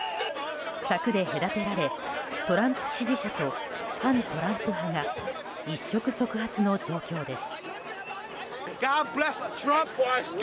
柵で隔てられ、トランプ支持者と反トランプ派が一触即発の状況です。